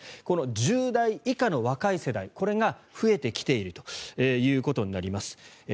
この１０代以下の若い世代これが増えてきているということになります。